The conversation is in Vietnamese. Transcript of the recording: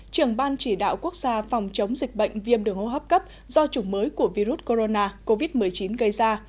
trưởng ban chỉ đạo quốc gia phòng chống dịch bệnh viêm đường hô hấp cấp do chủng mới của virus corona covid một mươi chín gây ra